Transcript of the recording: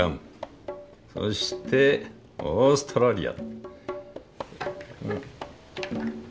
そしてオーストラリア。